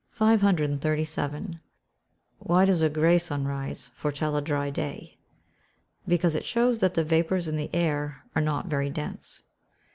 537. Why does a grey sunrise foretell a dry day? Because it shows that the vapours in the air are not very dense.